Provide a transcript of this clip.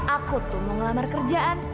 aku tuh mau ngelamar kerjaan